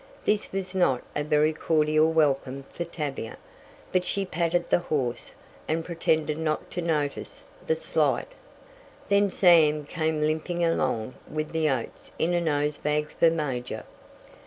This was not a very cordial welcome for Tavia, but she patted the horse, and pretended not to notice the slight. Then Sam came limping along with the oats in a nose bag for Major.